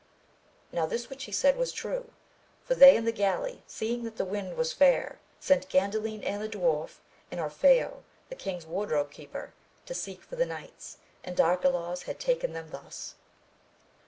Now this which he said was true, for they in the galley seeing that the wind was fair sent Gandalin and the dwarf, and Orfeo the king's wardrobe keeper, to seek for the knights, and Arcalaus had taken them thus.